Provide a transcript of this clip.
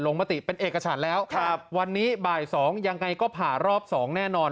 ลงประติเป็นเอกสารแล้ววันนี้บ่าย๒ยังไงก็ผ่ารอบ๒แน่นอน